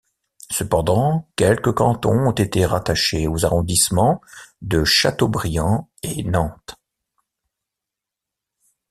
Cependant quelques cantons ont été rattachés aux arrondissements de Châteaubriant et Nantes.